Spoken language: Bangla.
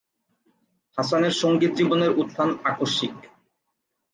হাসানের সঙ্গীত জীবনের উত্থান আকস্মিক।